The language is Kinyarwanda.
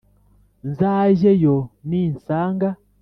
Nzajye yo nisanga,